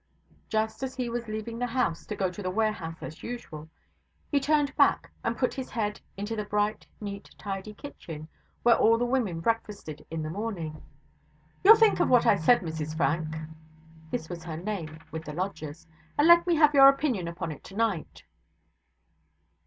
Just as he was leaving the house, to go to the warehouse as usual, he turned back and put his head into the bright, neat, tidy kitchen, where all the women breakfasted in the morning: 'You'll think of what I said, Mrs Frank' (this was her name with the lodgers), 'and let me have your opinion upon it tonight.'